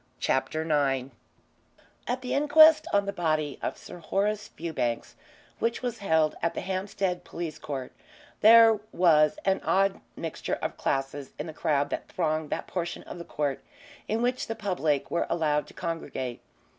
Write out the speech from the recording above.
CHAPTER IX At the inquest on the body of Sir Horace Fewbanks, which was held at the Hampstead Police Court, there was an odd mixture of classes in the crowd that thronged that portion of the court in which the public were allowed to congregate.